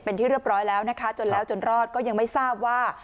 เป็นที่เรียบร้อยแล้วนะคะจนแล้วจนรอดก็ยังไม่ทราบว่า